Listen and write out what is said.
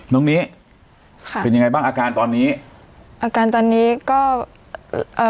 น้องนี้ค่ะเป็นยังไงบ้างอาการตอนนี้อาการตอนนี้ก็เอ่อ